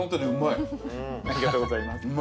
ありがとうございます。